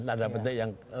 ada pendek yang